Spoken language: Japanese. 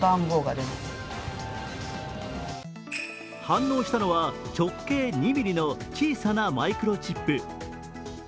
反応したのは、直径２ｍｍの小さなマイクロチップ。